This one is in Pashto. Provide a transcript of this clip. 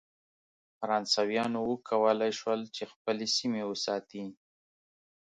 فرانسویانو وکولای شول چې خپلې سیمې وساتي.